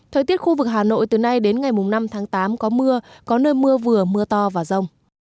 thời tiết khu vực hà nội từ nay đến ngày năm tháng tám có mưa có nơi mưa vừa mưa to và rông